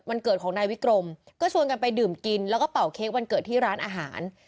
เกิดของนายวิกรมก็ชวนกันไปดื่มกินแล้วก็เป่าเค้กวันเกิดที่ร้านอาหาร